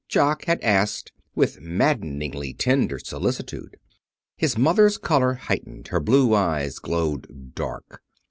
Jock had asked with maddeningly tender solicitude. His mother's color heightened. Her blue eyes glowed dark.